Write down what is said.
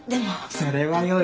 それはよい。